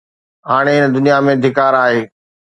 هاڻي هن دنيا ۾ ڏڪار آهي